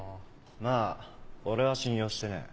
まぁ俺は信用してねえ。